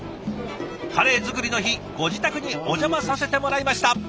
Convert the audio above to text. カレー作りの日ご自宅にお邪魔させてもらいました。